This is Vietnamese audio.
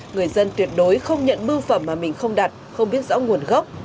người dân tuyệt đối không nhận bưu phẩm mà mình không đặt không biết rõ nguồn gốc